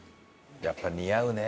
やっぱ似合うね。